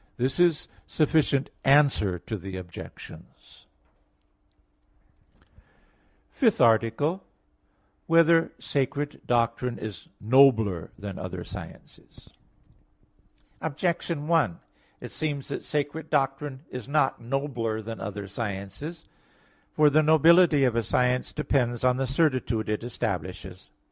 This is a sufficient answer to the Objections. _______________________ FIFTH ARTICLE [I, Q. 1, Art. 5] Whether Sacred Doctrine Is Nobler than Other Sciences? Objection 1: It seems that sacred doctrine is not nobler than other sciences; for the nobility of a science depends on the certitude it establishes.